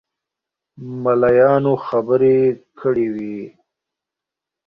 ملایانو خبرې کړې وې.